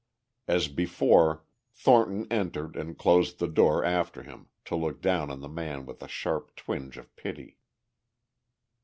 As before Thornton entered and closed the door after him to look down on the man with a sharp twinge of pity.